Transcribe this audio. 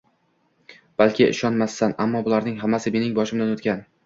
balki ishonmassan, Ammo bularning hammasi mening boshimdan o'tgan.